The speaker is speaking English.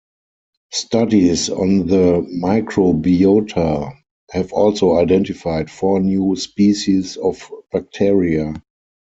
Studies on the microbiota have also identified four new species of bacteria.